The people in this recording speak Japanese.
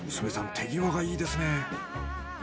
手際がいいですね。